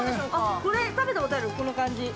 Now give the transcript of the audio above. ◆これ食べたことある、この感じ。